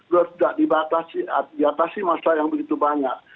sudah tidak dibatasi masa yang begitu banyak